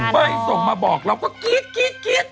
ไปส่งมาบอกเราก็กิ๊ด